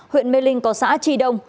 huyện mê linh có xã trì đông